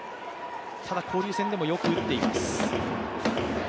ただ交流戦でもよく打っています。